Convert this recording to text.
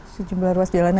sejumlah ruas jalan lagi